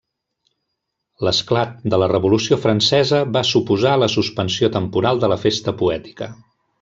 L'esclat de la Revolució Francesa va suposar la suspensió temporal de la festa poètica.